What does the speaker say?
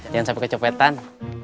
jangan sampai kecopetan